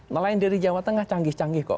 nelayan dari jawa tengah canggih canggih kok